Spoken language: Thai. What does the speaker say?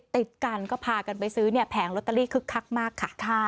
ติดกันก็พากันไปซื้อแผงลอตเตอรี่คึกคักมากค่ะ